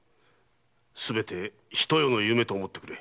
すべてひと夜の夢と思ってくれ。